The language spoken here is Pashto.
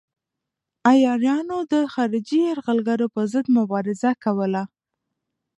عیارانو د خارجي یرغلګرو پر ضد مبارزه کوله.